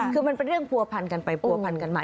คือมันเป็นเรื่องผัวพันกันไปผัวพันกันมา